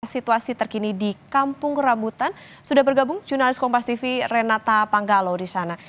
situasi terkini di kampung rambutan sudah bergabung jurnalis kompas tv renata panggalo di sana